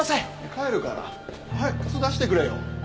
帰るから。早く靴出してくれよ！